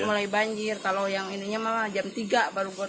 mulai banjir kalau yang ininya malah jam tiga baru buat